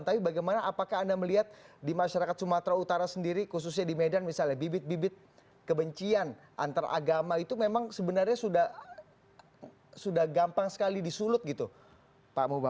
tapi bagaimana apakah anda melihat di masyarakat sumatera utara sendiri khususnya di medan misalnya bibit bibit kebencian antaragama itu memang sebenarnya sudah gampang sekali disulut gitu pak muhbah